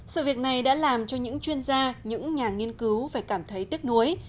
sự việc này đã làm cho những chuyên gia những nhà nghiên cứu phải cảm thấy tiếc nuối